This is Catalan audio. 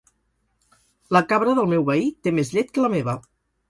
La cabra del meu veí té més llet que la meva.